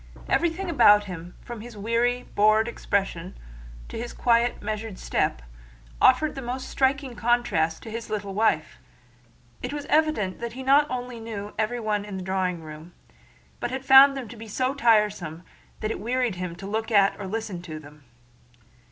Everything about him, from his weary, bored expression to his quiet, measured step, offered a most striking contrast to his quiet, little wife. It was evident that he not only knew everyone in the drawing room, but had found them to be so tiresome that it wearied him to look at or listen to them.